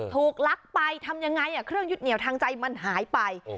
ลักไปทำยังไงเครื่องยึดเหนียวทางใจมันหายไป